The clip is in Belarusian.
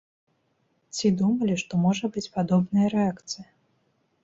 Ці думалі, што можа быць падобная рэакцыя?